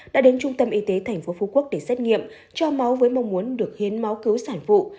đã đến trung tâm y tế tp phú quốc để xét nghiệm cho máu với mong muốn được hiến máu cứu sản phụ